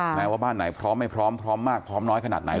แม้ว่าบ้านไหนพร้อมไม่พร้อมพร้อมมากพร้อมน้อยขนาดไหน